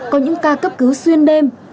có những ca cấp cứ xuyên đêm